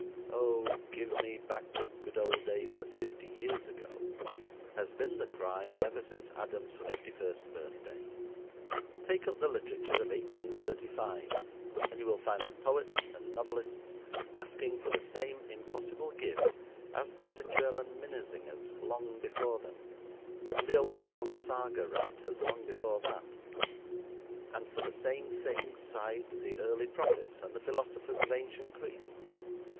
"Oh, give me back the good old days of fifty years ago," has been the cry ever since Adam's fifty first birthday. Take up the literature of 1835, and you will find the poets and novelists asking for the same impossible gift as did the German Minnesingers long before them and the old Norse Saga writers long before that. And for the same thing sighed the early prophets and the philosophers of ancient Greece.